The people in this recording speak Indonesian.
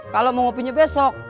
kalo mau kopinya besok